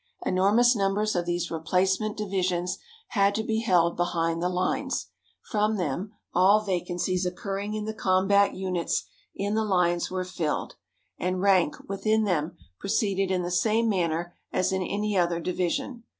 Enormous numbers of these replacement divisions had to be held behind the lines. From them, all vacancies occurring in the combat units in the lines were filled. And rank, within them, proceeded in the same manner as in any other division.